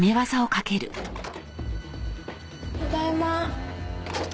ただいま。